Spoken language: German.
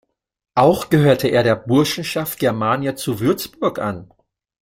Auch gehörte er der Burschenschaft Germania zu Würzburg an.